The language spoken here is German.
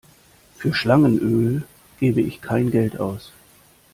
Für Schlangenöl gebe ich kein Geld aus.